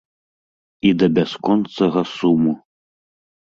І да бясконцага суму.